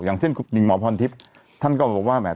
อย่างเช่นอาทิศท่านก็จะบอกว่าแหม